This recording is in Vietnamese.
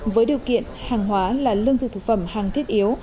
với điều kiện hàng hóa là lương thực thực phẩm hàng thiết yếu